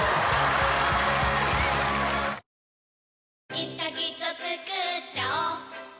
いつかきっとつくっちゃおう